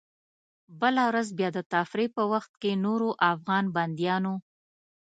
بله ورځ بیا د تفریح په وخت کې نورو افغان بندیانو.